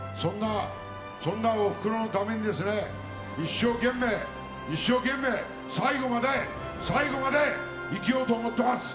そんなおふくろのために一生懸命、一生懸命最後まで、最後まで生きようと思ってます。